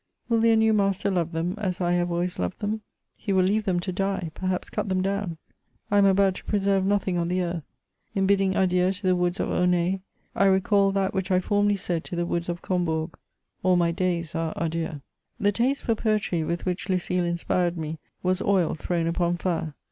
Will their new master love them as I have always loved them ? He will K 2 132 MEMOIRS OF leave them to die — ^perhaps cut them down. I am about to preserve nothing on the earth In bidding adieu to the woods of Aulnay, I recal that which I formerly said to the woods of Combourg. AD my days are adieux'. The taste for poetry with which Lucile inspired me, was oil thrown upon fire.